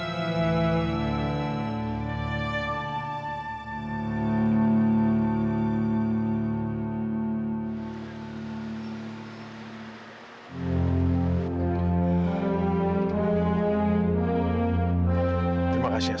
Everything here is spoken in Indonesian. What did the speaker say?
terima kasih sayang